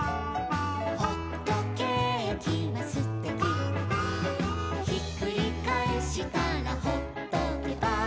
「ほっとけーきはすてき」「ひっくりかえしたらほっとけば」